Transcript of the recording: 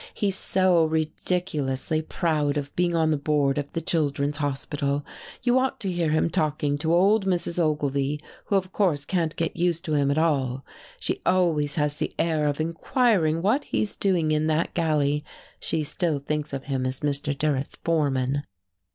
He's so ridiculously proud of being on the board of the Children's Hospital.... You ought to hear him talking to old Mrs. Ogilvy, who of course can't get used to him at all, she always has the air of inquiring what he's doing in that galley. She still thinks of him as Mr. Durrett's foreman."